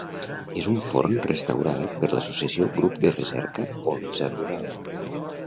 És un forn restaurat per l'associació Grup de Recerca Olesa Rural.